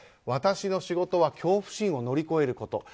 私の仕事は恐怖心を乗り越えること。